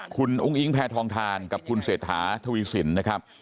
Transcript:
คุณอุ้งอิงแพทองทานกับคุณเศรษฐาทวีสินนะครับ